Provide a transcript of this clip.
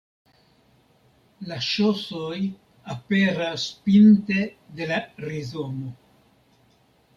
La ŝosoj aperas pinte de la rizomo.